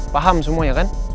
paham semua ya kan